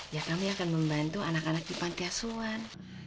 ya kami akan membantu anak anak di pantiasuhan